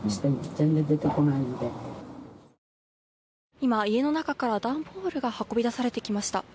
今、家の中から段ボールが運び出されてきました。